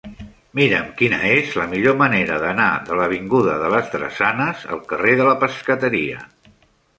Mira'm quina és la millor manera d'anar de l'avinguda de les Drassanes al carrer de la Pescateria.